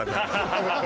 ハハハハ！